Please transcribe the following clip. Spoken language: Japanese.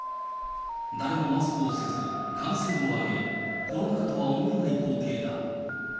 誰もマスクをせず、歓声を上げ、コロナ禍とは思えない光景だ。